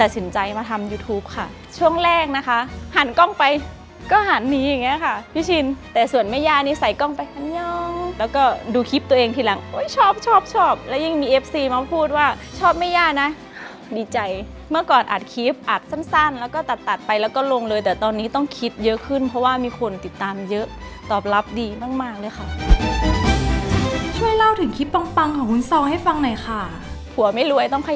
ใส่กล้องไปอันยองแล้วก็ดูคลิปตัวเองทีหลังโอ้ยชอบชอบชอบและยังมีเอฟซีมาพูดว่าชอบแม่ย่านะดีใจเมื่อก่อนอัดคลิปอัดสั้นสั้นแล้วก็ตัดตัดไปแล้วก็ลงเลยแต่ตอนนี้ต้องคิดเยอะขึ้นเพราะว่ามีคนติดตามเยอะตอบรับดีมากมากเลยค่ะช่วยเล่าถึงคลิปปังปังของคุณซองให้ฟังหน่อยค่ะผัวไม่รวยต้องข